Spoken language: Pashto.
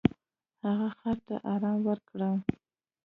هغه خر ته ارام ورکړ.